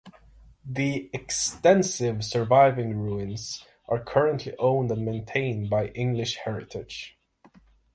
The extensive surviving ruins are currently owned and maintained by English Heritage.